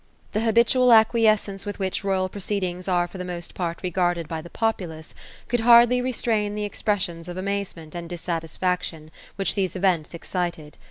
The habitual acquiescence with which royal proceedings are for the most part regarded by the populace, could hardly restrain the expressions of amazement, and dissatisfaction, which these events excited.